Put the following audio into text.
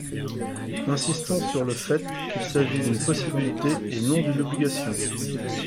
Insistons sur le fait qu’il s’agit d’une possibilité et non d’une obligation.